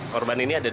korban ini ada dalam